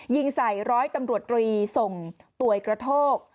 ยิงใส่ร้อยตำรวจรีส่งป่วยกระโทก